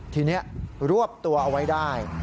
ทีนี้รวบตัวเอาไว้ได้